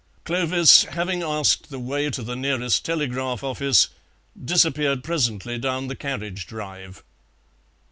Clovis, having asked the way to the nearest telegraph office, disappeared presently down the carriage drive.